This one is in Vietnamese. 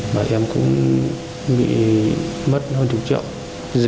và em cũng bị mất hơn một mươi triệu